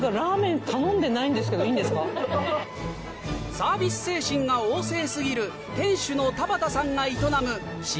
サービス精神が旺盛過ぎる店主の田畑さんが営む島